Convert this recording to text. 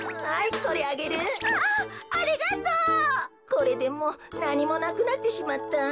これでもうなにもなくなってしまった。